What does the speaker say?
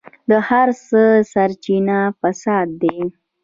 د هر څه سرچينه فساد دی.